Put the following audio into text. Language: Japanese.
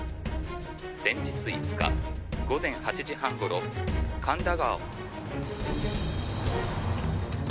「先日５日午前８時半頃神田川」